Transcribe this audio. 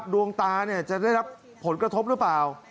ดวงตาจะได้รับผลกระทบหรือเปล่า